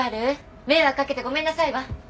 迷惑かけてごめんなさいは？